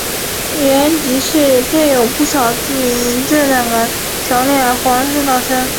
延吉市更有不少居民因震感强烈而慌忙逃生。